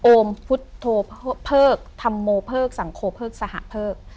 พุทธเพิกธัมโมเพิกสังคมเพิกสหเพิก